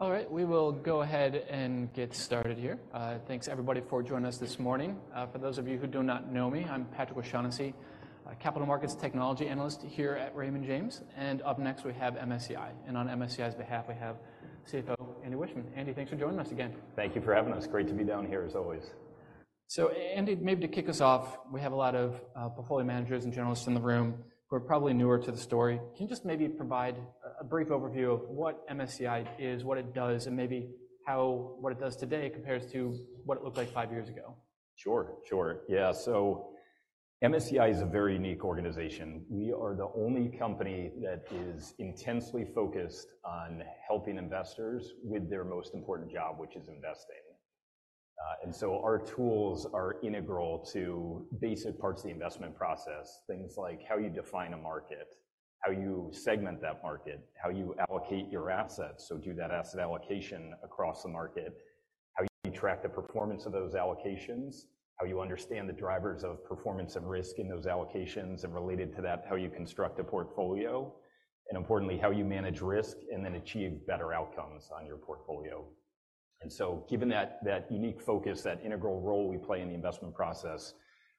All right, we will go ahead and get started here. Thanks everybody for joining us this morning. For those of you who do not know me, I'm Patrick O'Shaughnessy, Capital Markets Technology Analyst here at Raymond James. Up next we have MSCI, and on MSCI's behalf we have CFO Andy Wiechmann. Andy, thanks for joining us again. Thank you for having us. Great to be down here as always. So, Andy, maybe to kick us off, we have a lot of portfolio managers and generalists in the room who are probably newer to the story. Can you just maybe provide a brief overview of what MSCI is, what it does, and maybe how what it does today compares to what it looked like five years ago? Sure, sure. Yeah, so MSCI is a very unique organization. We are the only company that is intensely focused on helping investors with their most important job, which is investing. And so our tools are integral to basic parts of the investment process, things like how you define a market, how you segment that market, how you allocate your assets, so do that asset allocation across the market, how you track the performance of those allocations, how you understand the drivers of performance and risk in those allocations, and related to that, how you construct a portfolio, and importantly, how you manage risk and then achieve better outcomes on your portfolio. And so given that, that unique focus, that integral role we play in the investment process,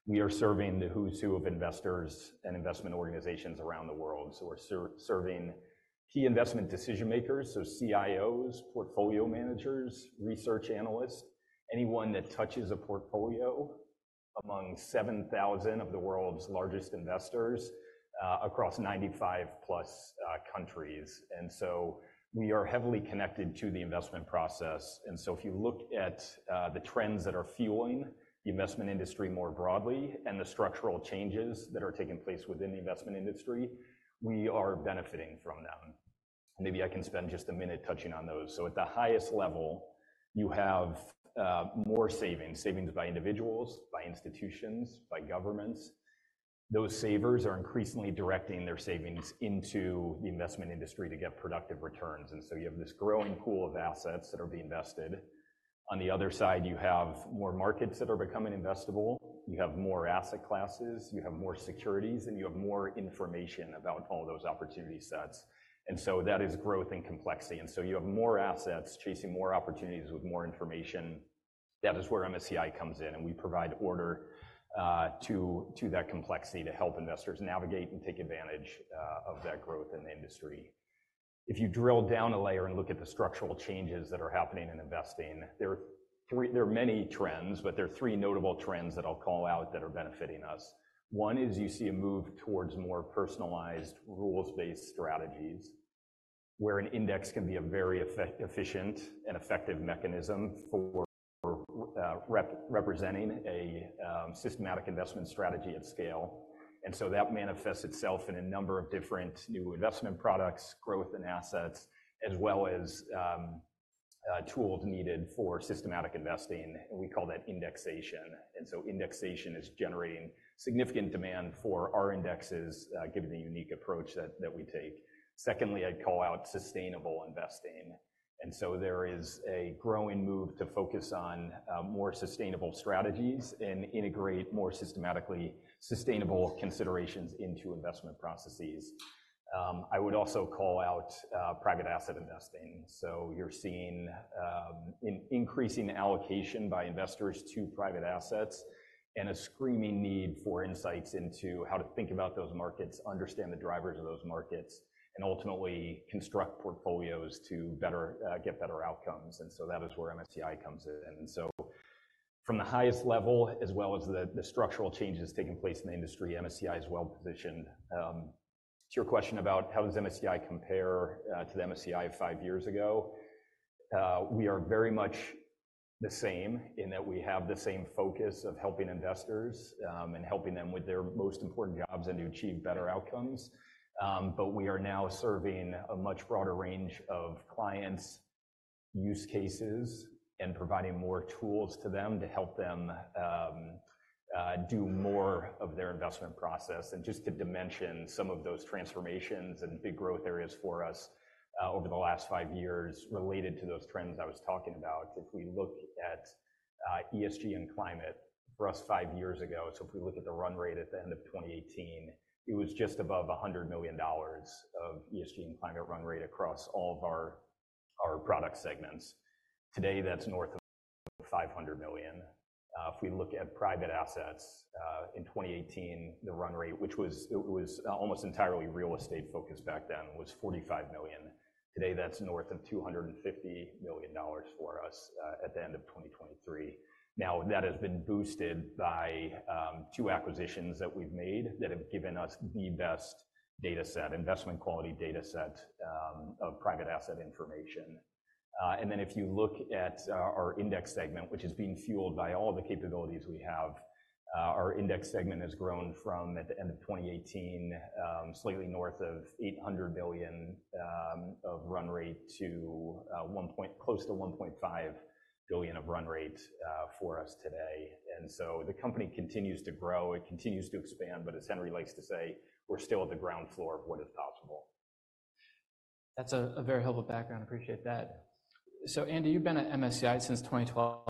we are serving the who's who of investors and investment organizations around the world. So we're serving key investment decision makers, so CIOs, portfolio managers, research analysts, anyone that touches a portfolio among 7,000 of the world's largest investors, across 95-plus countries. And so we are heavily connected to the investment process. And so if you look at the trends that are fueling the investment industry more broadly and the structural changes that are taking place within the investment industry, we are benefiting from them. Maybe I can spend just a minute touching on those. So at the highest level, you have more savings, savings by individuals, by institutions, by governments. Those savers are increasingly directing their savings into the investment process to get productive returns. And so you have this growing pool of assets that are being invested. On the other side, you have more markets that are becoming investable. You have more asset classes. You have more securities, and you have more information about all those opportunity sets. And so that is growth and complexity. And so you have more assets chasing more opportunities with more information. That is where MSCI comes in, and we provide order to that complexity to help investors navigate and take advantage of that growth in the industry. If you drill down a layer and look at the structural changes that are happening in investing, there are many trends, but there are three notable trends that I'll call out that are benefiting us. One is you see a move towards more personalized, rules-based strategies, where an index can be a very efficient and effective mechanism for representing a systematic investment strategy at scale. And so that manifests itself in a number of different new investment products, growth, and assets, as well as tools needed for systematic investing. We call that indexation. Indexation is generating significant demand for our indexes, given the unique approach that, that we take. Secondly, I'd call out sustainable investing. There is a growing move to focus on more sustainable strategies and integrate more systematically sustainable considerations into investment processes. I would also call out private asset investing. So you're seeing an increasing allocation by investors to Private Assets and a screaming need for insights into how to think about those markets, understand the drivers of those markets, and ultimately construct portfolios to better get better outcomes. That is where MSCI comes in. And so from the highest level, as well as the structural changes taking place in the industry, MSCI is well positioned. To your question about how does MSCI compare to the MSCI of five years ago, we are very much the same in that we have the same focus of helping investors and helping them with their most important jobs and to achieve better outcomes. But we are now serving a much broader range of clients, use cases, and providing more tools to them to help them do more of their investment process. Just to dimension some of those transformations and big growth areas for us, over the last 5 years related to those trends I was talking about, if we look at ESG and Climate for us 5 years ago—so if we look at the run rate at the end of 2018, it was just above $100 million of ESG and Climate run rate across all of our product segments. Today, that's north of $500 million. If we look at Private Assets, in 2018, the run rate, which was almost entirely real estate focused back then, was $45 million. Today, that's north of $250 million for us, at the end of 2023. Now, that has been boosted by two acquisitions that we've made that have given us the best data set, investment quality data set, of private asset information. and then if you look at our Index segment, which is being fueled by all the capabilities we have, our Index segment has grown from at the end of 2018, slightly north of $800 billion of run rate to close to $1.5 trillion of run rate for us today. And so the company continues to grow. It continues to expand. But as Henry likes to say, we're still at the ground floor of what is possible. That's a very helpful background. I appreciate that. Andy, you've been at MSCI since 2012.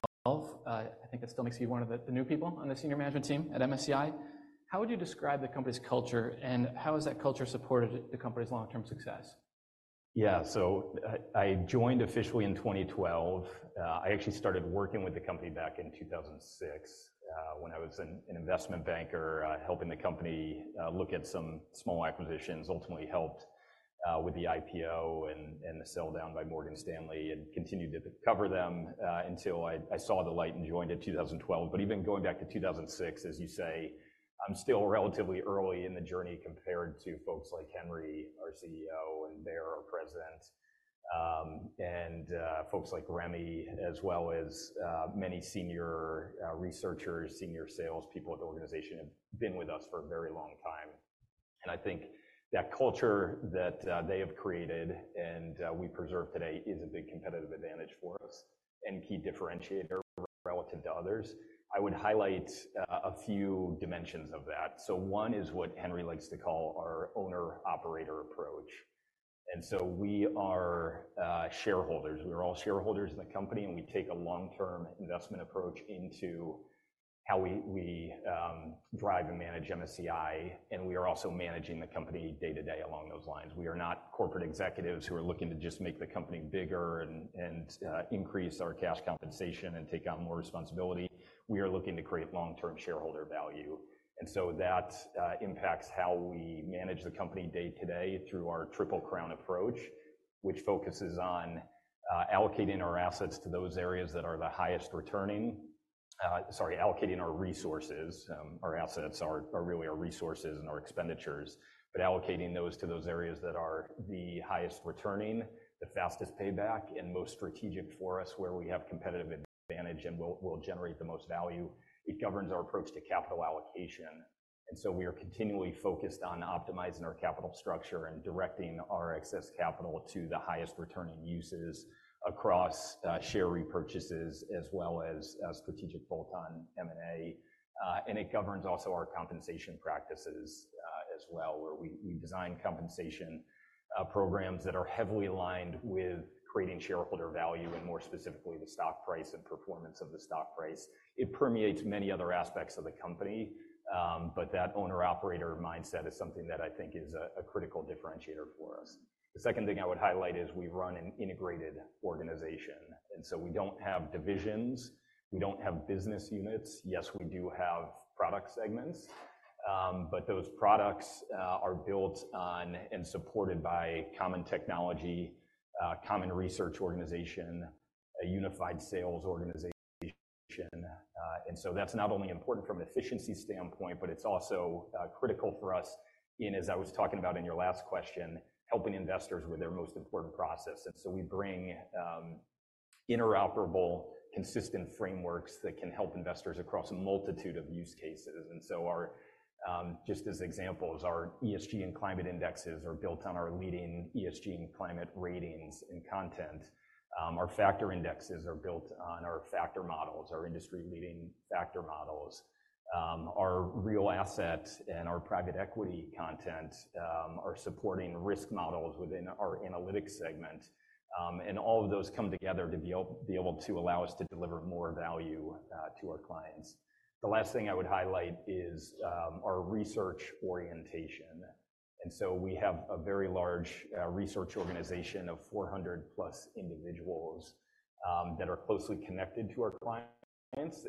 I think that still makes you one of the new people on the senior management team at MSCI. How would you describe the company's culture, and how has that culture supported the company's long-term success? Yeah, so I, I joined officially in 2012. I actually started working with the company back in 2006, when I was an investment banker, helping the company look at some small acquisitions, ultimately helped with the IPO and the sell-down by Morgan Stanley, and continued to cover them until I saw the light and joined in 2012. But even going back to 2006, as you say, I'm still relatively early in the journey compared to folks like Henry, our CEO, and Baer, our president, and folks like Remy, as well as many senior researchers, senior salespeople at the organization have been with us for a very long time. And I think that culture that they have created and we preserve today is a big competitive advantage for us and key differentiator relative to others. I would highlight a few dimensions of that. So one is what Henry likes to call our owner-operator approach. And so we are shareholders. We are all shareholders in the company, and we take a long-term investment approach into how we drive and manage MSCI. And we are also managing the company day to day along those lines. We are not corporate executives who are looking to just make the company bigger and increase our cash compensation and take on more responsibility. We are looking to create long-term shareholder value. That impacts how we manage the company day to day through our Triple-Crown Approach, which focuses on allocating our assets to those areas that are the highest returning, allocating our resources, our assets, our, our really our resources and our expenditures, but allocating those to those areas that are the highest returning, the fastest payback, and most strategic for us, where we have competitive advantage and will, will generate the most value. It governs our approach to capital allocation. We are continually focused on optimizing our capital structure and directing our excess capital to the highest returning uses across share repurchases as well as strategic full-time M&A. It also governs our compensation practices, as well, where we design compensation programs that are heavily aligned with creating shareholder value and more specifically the stock price and performance of the stock price. It permeates many other aspects of the company, but that owner-operator mindset is something that I think is a, a critical differentiator for us. The second thing I would highlight is we run an integrated organization. And so we don't have divisions. We don't have business units. Yes, we do have product segments, but those products, are built on and supported by common technology, common research organization, a unified sales organization. And so that's not only important from an efficiency standpoint, but it's also, critical for us in, as I was talking about in your last question, helping investors with their most important process. And so we bring, interoperable, consistent frameworks that can help investors across a multitude of use cases. And so our, just as examples, our ESG and Climate indexes are built on our leading ESG and Climate ratings and content. Our factor indexes are built on our factor models, our industry-leading factor models. Our Real Assets and our private equity content are supporting risk models within our Analytics segment. All of those come together to be able to allow us to deliver more value to our clients. The last thing I would highlight is our research orientation. So we have a very large research organization of 400+ individuals that are closely connected to our clients,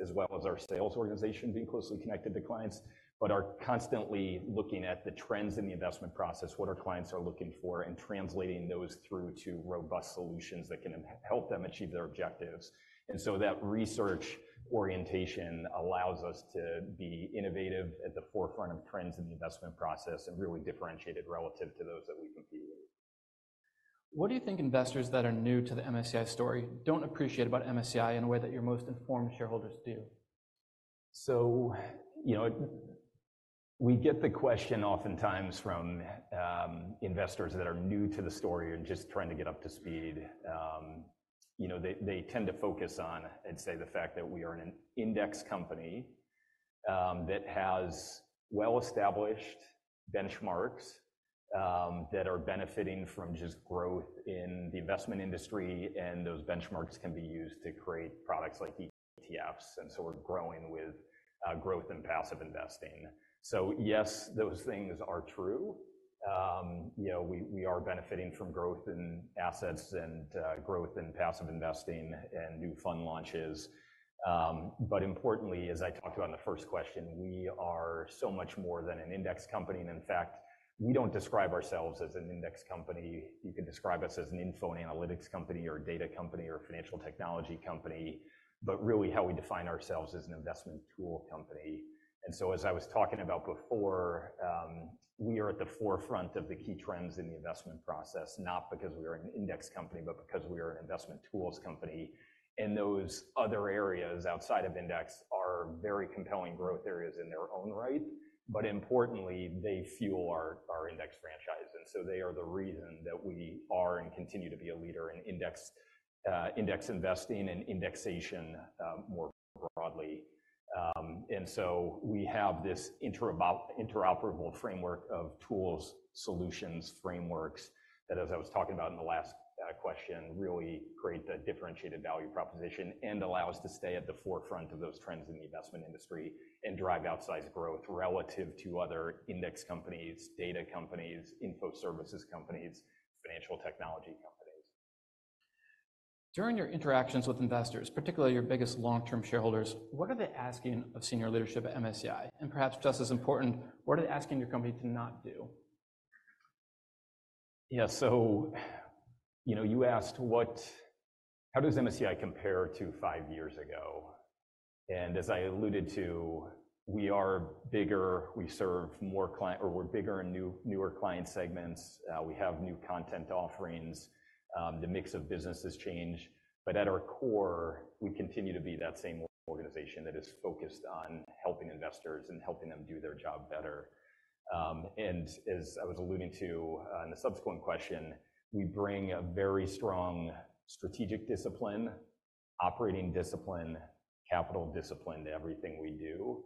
as well as our sales organization being closely connected to clients, but are constantly looking at the trends in the investment process, what our clients are looking for, and translating those through to robust solutions that can help them achieve their objectives. And so that research orientation allows us to be innovative at the forefront of trends in the investment process and really differentiated relative to those that we compete with. What do you think investors that are new to the MSCI story don't appreciate about MSCI in a way that your most informed shareholders do? So, you know, we get the question oftentimes from investors that are new to the story and just trying to get up to speed. You know, they tend to focus on, I'd say, the fact that we are an index company that has well-established benchmarks that are benefiting from just growth in the investment industry. And those benchmarks can be used to create products like ETFs. And so we're growing with growth and passive investing. So yes, those things are true. You know, we are benefiting from growth in assets and growth in passive investing and new fund launches. But importantly, as I talked about in the first question, we are so much more than an index company. And in fact, we don't describe ourselves as an index company. You can describe us as an info and analytics company or a data company or a financial technology company, but really how we define ourselves is an investment tool company. And so as I was talking about before, we are at the forefront of the key trends in the investment process, not because we are an index company, but because we are an investment tools company. And those other areas outside of index are very compelling growth areas in their own right, but importantly, they fuel our, our index franchise. And so they are the reason that we are and continue to be a leader in index, index investing and indexation, more broadly. And so we have this interoperable framework of tools, solutions, frameworks that, as I was talking about in the last question, really create the differentiated value proposition and allow us to stay at the forefront of those trends in the investment industry and drive outsized growth relative to other index companies, data companies, info services companies, financial technology companies. During your interactions with investors, particularly your biggest long-term shareholders, what are they asking of senior leadership at MSCI? And perhaps just as important, what are they asking your company to not do? Yeah, so, you know, you asked what how does MSCI compare to five years ago? And as I alluded to, we are bigger. We serve more cli or we're bigger in new, newer client segments. We have new content offerings. The mix of businesses change. But at our core, we continue to be that same organization that is focused on helping investors and helping them do their job better. And as I was alluding to, in the subsequent question, we bring a very strong strategic discipline, operating discipline, capital discipline to everything we do.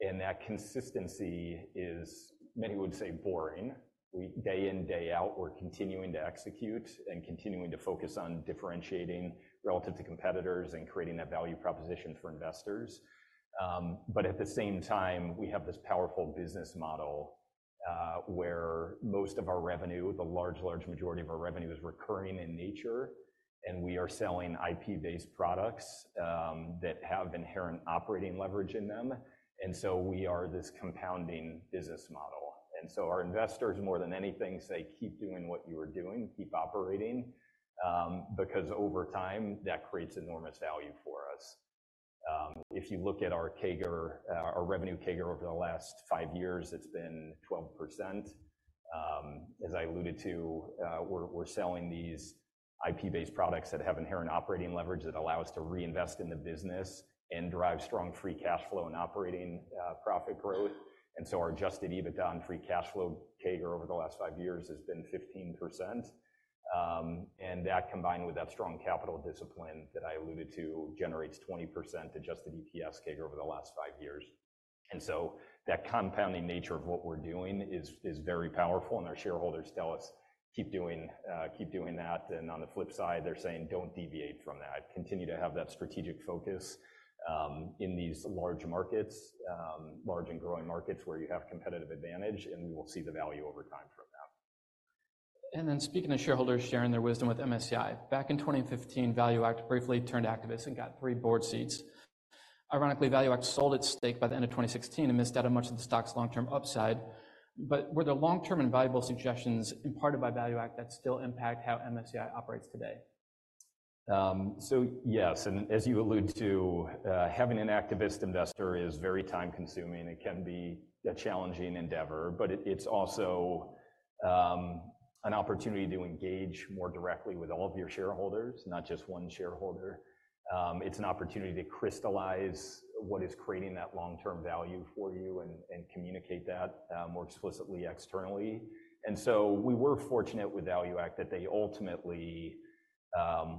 And that consistency is, many would say, boring. We day in, day out, we're continuing to execute and continuing to focus on differentiating relative to competitors and creating that value proposition for investors. But at the same time, we have this powerful business model, where most of our revenue, the large, large majority of our revenue, is recurring in nature. We are selling IP-based products that have inherent operating leverage in them. So we are this compounding business model. So our investors, more than anything, say, "Keep doing what you were doing. Keep operating," because over time, that creates enormous value for us. If you look at our CAGR, our revenue CAGR over the last five years, it's been 12%. As I alluded to, we're selling these IP-based products that have inherent operating leverage that allow us to reinvest in the business and drive strong free cash flow and operating profit growth. So our Adjusted EBITDA on free cash flow CAGR over the last five years has been 15%. That combined with that strong capital discipline that I alluded to generates 20% Adjusted EPS CAGR over the last five years. And so that compounding nature of what we're doing is very powerful. And our shareholders tell us, "Keep doing, keep doing that." And on the flip side, they're saying, "Don't deviate from that. Continue to have that strategic focus, in these large markets, large and growing markets where you have competitive advantage. And we will see the value over time from that. Then speaking of shareholders sharing their wisdom with MSCI, back in 2015, ValueAct briefly turned activist and got three board seats. Ironically, ValueAct sold its stake by the end of 2016 and missed out on much of the stock's long-term upside. Were there long-term and valuable suggestions imparted by ValueAct that still impact how MSCI operates today? So yes. And as you alluded to, having an activist investor is very time-consuming. It can be a challenging endeavor. But it, it's also, an opportunity to engage more directly with all of your shareholders, not just one shareholder. It's an opportunity to crystallize what is creating that long-term value for you and, and communicate that, more explicitly externally. And so we were fortunate with ValueAct that they ultimately,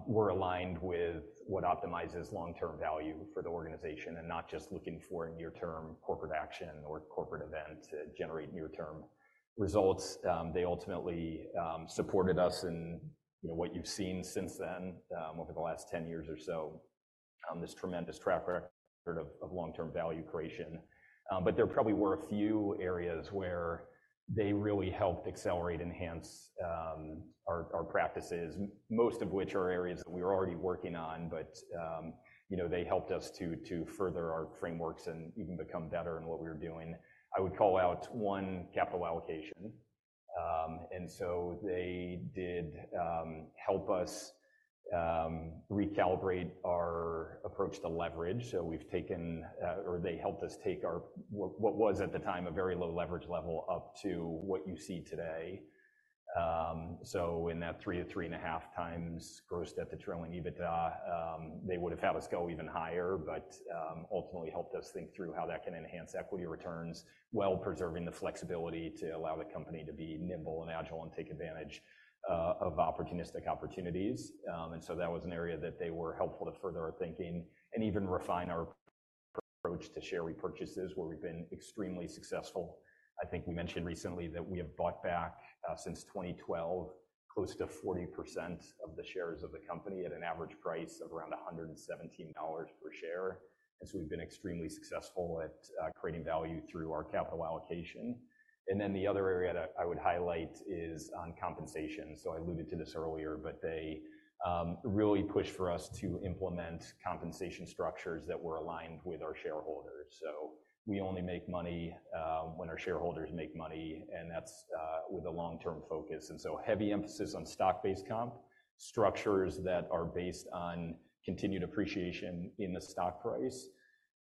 were aligned with what optimizes long-term value for the organization and not just looking for near-term corporate action or corporate events to generate near-term results. They ultimately, supported us in, you know, what you've seen since then, over the last 10 years or so, this tremendous track record of, of long-term value creation. But there probably were a few areas where they really helped accelerate, enhance, our, our practices, most of which are areas that we were already working on. You know, they helped us to further our frameworks and even become better in what we were doing. I would call out one capital allocation. And so they did help us recalibrate our approach to leverage. So we've taken, or they helped us take our what was at the time a very low leverage level up to what you see today. So in that 3x-3.5x growth at the trailing EBITDA, they would have had us go even higher, but ultimately helped us think through how that can enhance equity returns while preserving the flexibility to allow the company to be nimble and agile and take advantage of opportunistic opportunities. And so that was an area that they were helpful to further our thinking and even refine our approach to share repurchases, where we've been extremely successful. I think we mentioned recently that we have bought back since 2012 close to 40% of the shares of the company at an average price of around $117 per share. So we've been extremely successful at creating value through our capital allocation. Then the other area that I would highlight is on compensation. I alluded to this earlier, but they really pushed for us to implement compensation structures that were aligned with our shareholders. We only make money when our shareholders make money. That's with a long-term focus. So heavy emphasis on stock-based comp structures that are based on continued appreciation in the stock price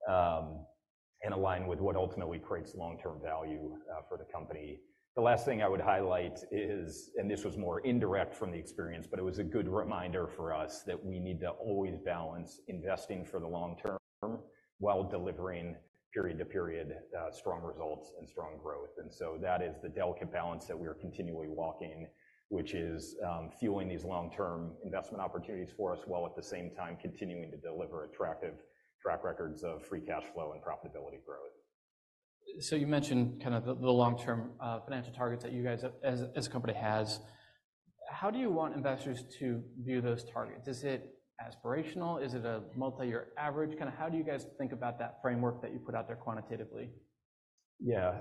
and align with what ultimately creates long-term value for the company. The last thing I would highlight is, and this was more indirect from the experience, but it was a good reminder for us that we need to always balance investing for the long-term while delivering period to period, strong results and strong growth. And so that is the delicate balance that we are continually walking, which is, fueling these long-term investment opportunities for us while at the same time continuing to deliver attractive track records of free cash flow and profitability growth. So you mentioned kind of the long-term financial targets that you guys as a company has. How do you want investors to view those targets? Is it aspirational? Is it a multi-year average? Kind of how do you guys think about that framework that you put out there quantitatively? Yeah.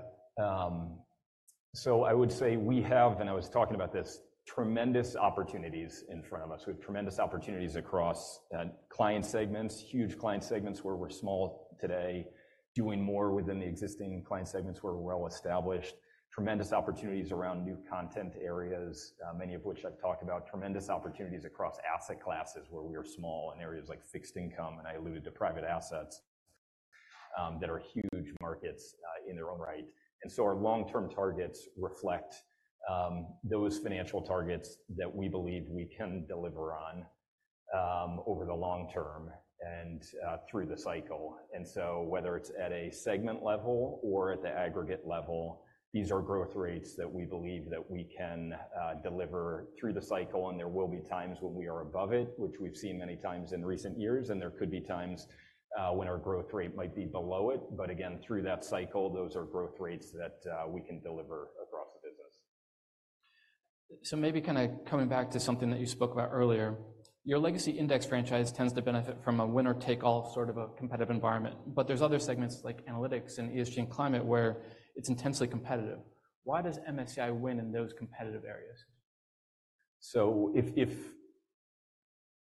So I would say we have, and I was talking about this, tremendous opportunities in front of us with tremendous opportunities across client segments, huge client segments where we're small today, doing more within the existing client segments where we're well-established, tremendous opportunities around new content areas, many of which I've talked about, tremendous opportunities across asset classes where we are small in areas like fixed income. And I alluded to Private Assets that are huge markets in their own right. And so our long-term targets reflect those financial targets that we believe we can deliver on over the long term and through the cycle. And so whether it's at a segment level or at the aggregate level, these are growth rates that we believe that we can deliver through the cycle. There will be times when we are above it, which we've seen many times in recent years. There could be times when our growth rate might be below it. Again, through that cycle, those are growth rates that, we can deliver across the business. So maybe kind of coming back to something that you spoke about earlier, your legacy index franchise tends to benefit from a winner-take-all sort of a competitive environment. But there's other segments like analytics and ESG and Climate where it's intensely competitive. Why does MSCI win in those competitive areas? So if, if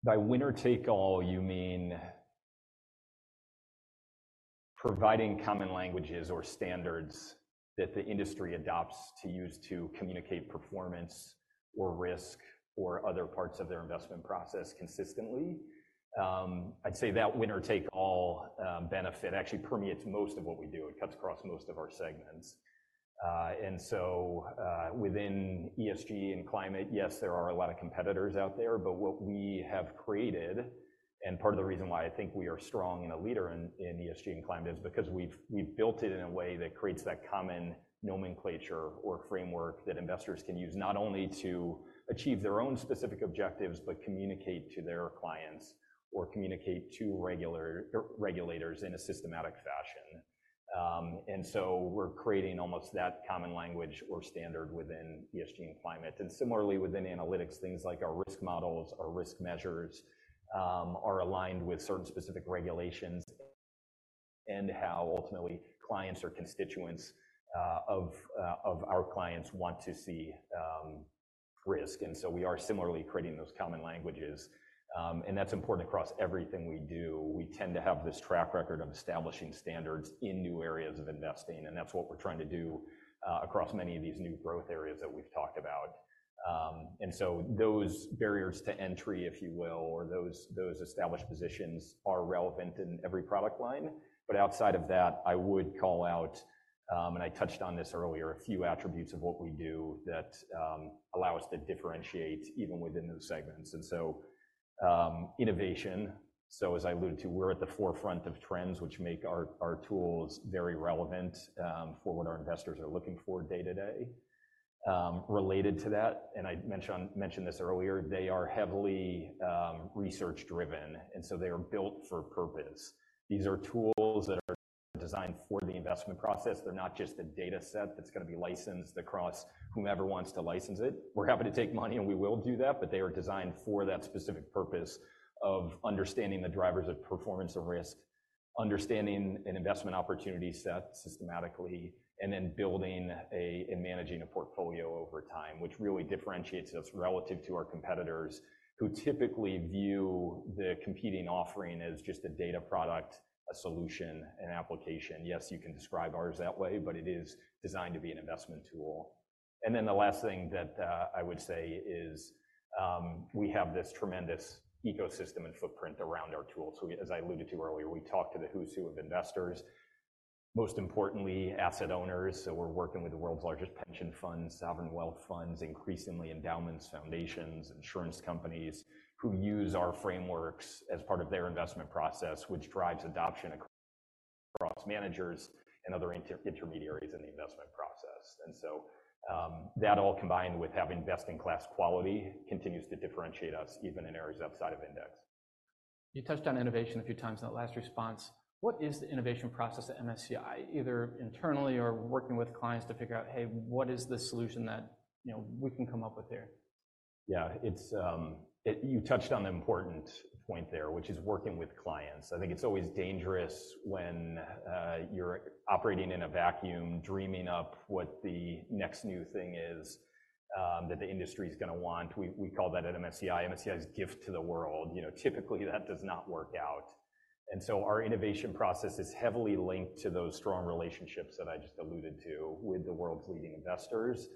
by winner-take-all, you mean providing common languages or standards that the industry adopts to use to communicate performance or risk or other parts of their investment process consistently, I'd say that winner-take-all, benefit actually permeates most of what we do. It cuts across most of our segments. Within ESG and Climate, yes, there are a lot of competitors out there. But what we have created, and part of the reason why I think we are strong and a leader in, in ESG and Climate is because we've, we've built it in a way that creates that common nomenclature or framework that investors can use not only to achieve their own specific objectives but communicate to their clients or communicate to regulators in a systematic fashion. We're creating almost that common language or standard within ESG and Climate. And similarly, within analytics, things like our risk models, our risk measures, are aligned with certain specific regulations and how ultimately clients or constituents, of our clients want to see, risk. And so we are similarly creating those common languages. And that's important across everything we do. We tend to have this track record of establishing standards in new areas of investing. And that's what we're trying to do, across many of these new growth areas that we've talked about. And so those barriers to entry, if you will, or those established positions are relevant in every product line. But outside of that, I would call out, and I touched on this earlier, a few attributes of what we do that allow us to differentiate even within those segments. And so, innovation. So as I alluded to, we're at the forefront of trends which make our tools very relevant for what our investors are looking for day to day, related to that. And I mentioned this earlier. They are heavily research-driven. And so they are built for purpose. These are tools that are designed for the investment process. They're not just a dataset that's gonna be licensed across whomever wants to license it. We're happy to take money, and we will do that. But they are designed for that specific purpose of understanding the drivers of performance and risk, understanding an investment opportunity set systematically, and then building and managing a portfolio over time, which really differentiates us relative to our competitors who typically view the competing offering as just a data product, a solution, an application. Yes, you can describe ours that way, but it is designed to be an investment tool. And then the last thing that, I would say is, we have this tremendous ecosystem and footprint around our tool. So we, as I alluded to earlier, we talk to the who's who of investors, most importantly, asset owners. So we're working with the world's largest pension funds, sovereign wealth funds, increasingly endowments, foundations, insurance companies who use our frameworks as part of their investment process, which drives adoption across managers and other intermediaries in the investment process. And so, that all combined with having best-in-class quality continues to differentiate us even in areas outside of index. You touched on innovation a few times in that last response. What is the innovation process at MSCI, either internally or working with clients to figure out, "Hey, what is the solution that, you know, we can come up with here? Yeah. It's you touched on the important point there, which is working with clients. I think it's always dangerous when you're operating in a vacuum, dreaming up what the next new thing is that the industry's gonna want. We call that at MSCI "MSCI's gift to the world." You know, typically, that does not work out. And so our innovation process is heavily linked to those strong relationships that I just alluded to with the world's leading investors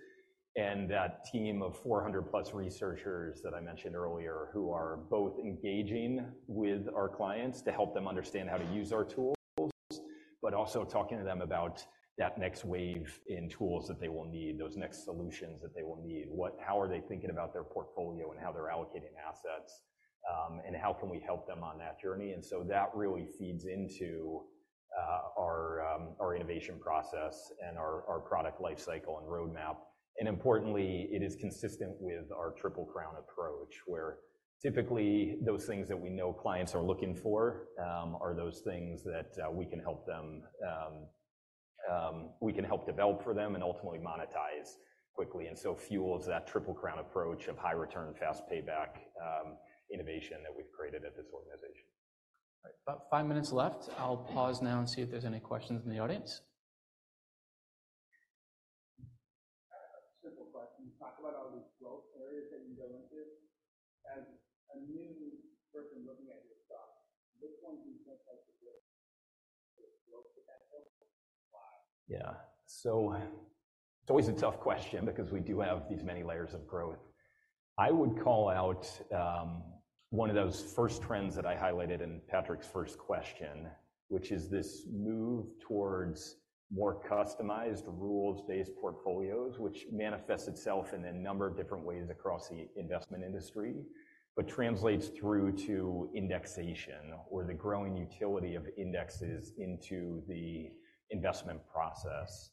and that team of 400-plus researchers that I mentioned earlier who are both engaging with our clients to help them understand how to use our tools but also talking to them about that next wave in tools that they will need, those next solutions that they will need, how they are thinking about their portfolio and how they're allocating assets, and how can we help them on that journey. And so that really feeds into our innovation process and our product lifecycle and roadmap. And importantly, it is consistent with our Triple-Crown Approach where typically, those things that we know clients are looking for are those things that we can help them, we can help develop for them and ultimately monetize quickly. And so fuels that Triple-Crown Approach of high-return, fast payback, innovation that we've created at this organization. All right. About five minutes left. I'll pause now and see if there's any questions in the audience. I have a simple question. You talk about all these growth areas that you go into. As a new person looking at your stock, which ones do you think might be great for growth potential? Why? Yeah. So it's always a tough question because we do have these many layers of growth. I would call out, one of those first trends that I highlighted in Patrick's first question, which is this move towards more customized rules-based portfolios, which manifests itself in a number of different ways across the investment industry but translates through to indexation or the growing utility of indexes into the investment process.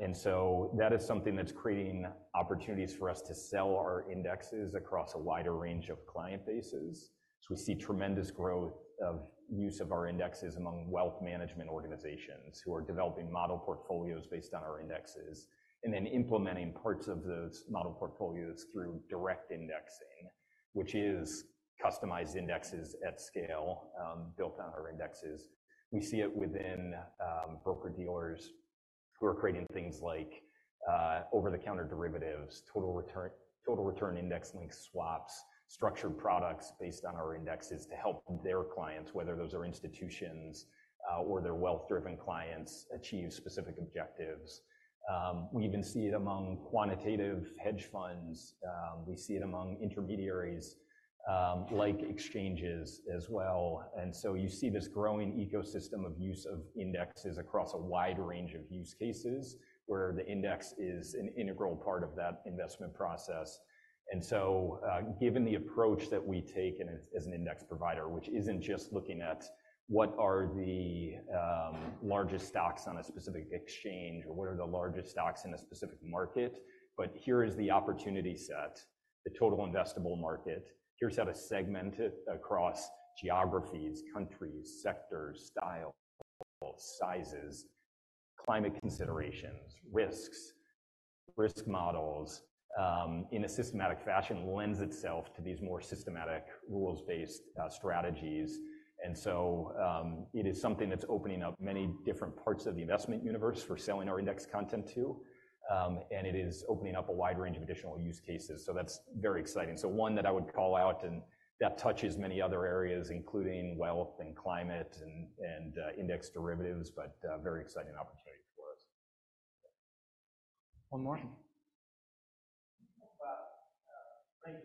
And so that is something that's creating opportunities for us to sell our indexes across a wider range of client bases. So we see tremendous growth of use of our indexes among wealth management organizations who are developing model portfolios based on our indexes and then implementing parts of those model portfolios through direct indexing, which is customized indexes at scale, built on our indexes. We see it within broker-dealers who are creating things like over-the-counter derivatives, total return index-linked swaps, structured products based on our indexes to help their clients, whether those are institutions or their wealth-driven clients, achieve specific objectives. We even see it among quantitative hedge funds. We see it among intermediaries, like exchanges as well. And so you see this growing ecosystem of use of indexes across a wide range of use cases where the index is an integral part of that investment process. And so, given the approach that we take in as an index provider, which isn't just looking at what are the, largest stocks on a specific exchange or what are the largest stocks in a specific market, but here is the opportunity set, the total investable market, here's how to segment it across geographies, countries, sectors, styles, sizes, climate considerations, risks, risk models, in a systematic fashion, lends itself to these more systematic rules-based, strategies. And so, it is something that's opening up many different parts of the investment universe for selling our index content to. And it is opening up a wide range of additional use cases. So that's very exciting. So one that I would call out, and that touches many other areas including wealth and climate and index derivatives, but, very exciting opportunity for us. One more. About, price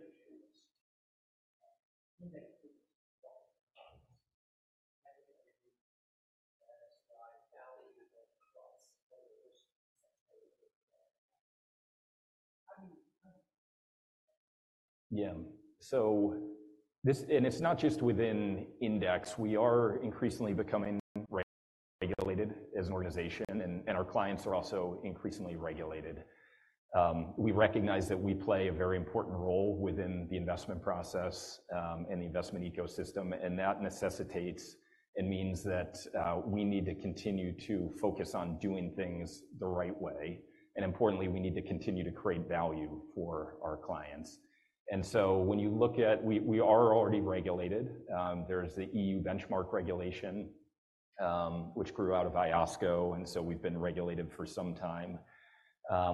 increases. Index use. What? Yeah. So this and it's not just within Index. We are increasingly becoming regulated as an organization, and our clients are also increasingly regulated. We recognize that we play a very important role within the investment process, and the investment ecosystem. And that necessitates and means that we need to continue to focus on doing things the right way. And importantly, we need to continue to create value for our clients. And so when you look at, we are already regulated. There's the EU Benchmark Regulation, which grew out of IOSCO. And so we've been regulated for some time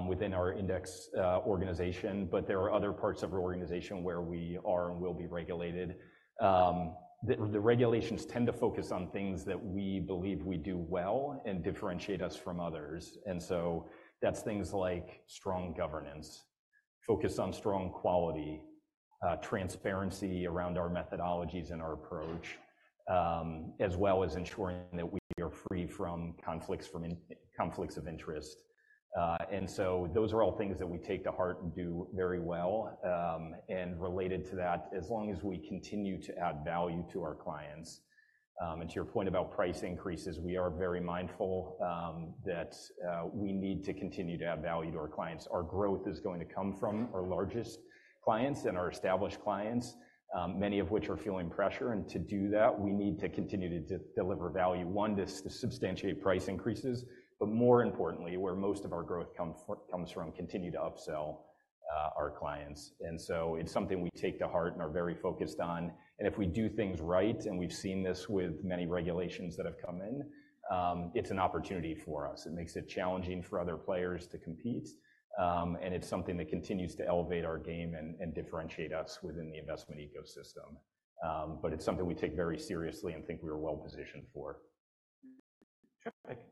within our Index organization. But there are other parts of our organization where we are and will be regulated, that the regulations tend to focus on things that we believe we do well and differentiate us from others. And so that's things like strong governance, focus on strong quality, transparency around our methodologies and our approach, as well as ensuring that we are free from conflicts of interest. And so those are all things that we take to heart and do very well. And related to that, as long as we continue to add value to our clients, and to your point about price increases, we are very mindful that we need to continue to add value to our clients. Our growth is going to come from our largest clients and our established clients, many of which are feeling pressure. And to do that, we need to continue to deliver value, one, to substantiate price increases, but more importantly, where most of our growth comes from continuing to upsell our clients. It's something we take to heart and are very focused on. If we do things right, and we've seen this with many regulations that have come in, it's an opportunity for us. It makes it challenging for other players to compete. It's something that continues to elevate our game and differentiate us within the investment ecosystem. It's something we take very seriously and think we are well-positioned for. Patrick.